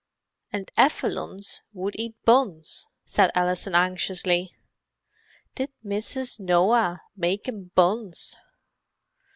"And efalunts would eat buns," said Alison anxiously. "Did Mrs. Noah make vem buns?"